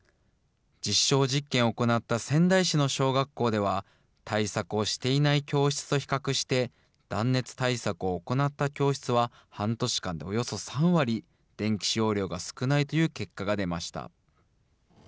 実証実験を行った仙台市の小学校では、対策をしていない教室と比較して、断熱対策を行った教室は半年間でおよそ３割、電気使用量が少ないという結果が出ました。